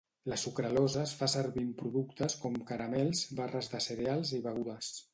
La sucralosa es fa servir en productes com caramels, barres de cereals i begudes.